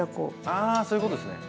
あそういうことですね。